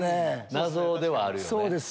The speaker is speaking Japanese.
謎ではあるよね。